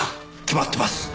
決まってます。